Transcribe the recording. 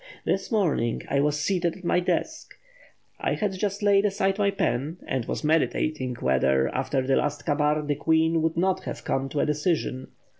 "This morning I was seated at my desk. I had just laid aside my pen, and was meditating whether, after the last kabar, the Queen would not have come to a decision.